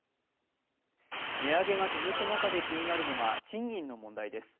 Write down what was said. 値上げが続く中で気になるのが賃金の問題です。